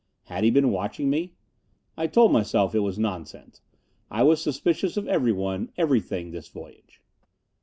Had he been watching me? I told myself it was nonsense. I was suspicious of everyone, everything, this voyage.